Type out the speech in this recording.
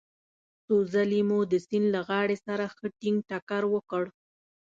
څو ځلې مو د سیند له غاړې سره ښه ټينګ ټکر وکړ.